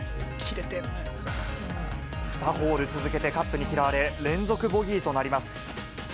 ２ホール続けてカップに嫌われ、連続ボギーとなります。